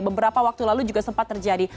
beberapa waktu lalu juga sempat terjadi